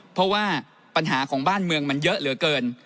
เพราะว่าปัญหาของบ้านเมืองมันเยอะเหลือเกิน